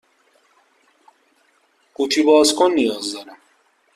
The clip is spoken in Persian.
قوطی باز کن نیاز دارم.